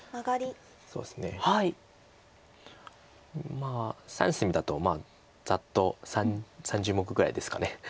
まあ３隅だとざっと３０目ぐらいですか。